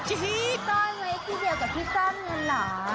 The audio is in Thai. ซ่อนไว้ที่เดียวกับที่ซ่อนเงินเหรอ